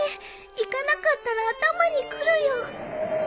行かなかったら頭にくるよ